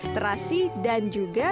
terasi dan juga